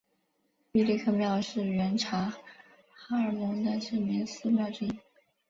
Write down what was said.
毕力克庙是原察哈尔盟的知名寺庙之一。